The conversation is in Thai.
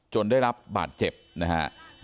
ได้รับบาดเจ็บนะฮะ